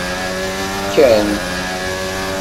Fkan-t.